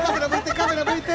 カメラ向いて。